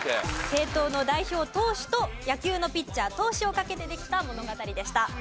政党の代表党首と野球のピッチャー投手をかけてできた物語でした。